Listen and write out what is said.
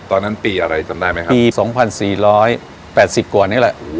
ตอนนั้นปีอะไรจำได้ไหมครับปีสองพันสี่ร้อยแปดสิบกว่านี้แหละโอ้โห